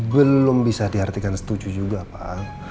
belum bisa diartikan setuju juga pak